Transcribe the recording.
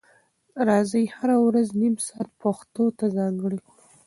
راځئ هره ورځ نیم ساعت پښتو ته ځانګړی کړو.